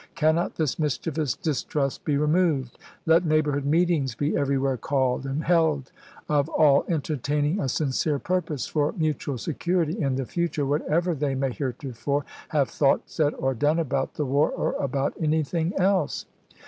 Cannot this mischievous distrust be removed? Let neighborhood meetings be everywhere called and held of all entertaining a sincere purpose for mutual security in the future, whatever they may hereto fore have thought, said, or done about the war or about anything else.